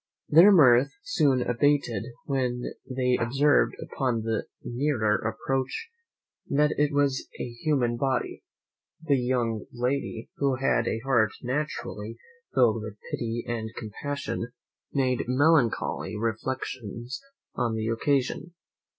Their mirth soon abated when they observed upon the nearer approach that it was a human body. The young lady, who had a heart naturally filled with pity and compassion, made many melancholy reflections on the occasion.